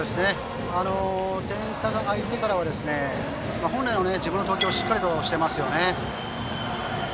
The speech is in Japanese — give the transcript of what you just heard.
点差が開いてからは本来の自分の投球をしっかりとしていますよね。